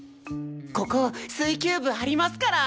ここ水球部ありますから！